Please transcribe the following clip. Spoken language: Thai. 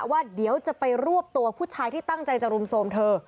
ว่าเดี๋ยวจะไปรวบตัวผู้ชายที่ตั้งใจจะรุมโทรมเธอ